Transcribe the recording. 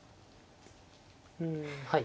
うんはい。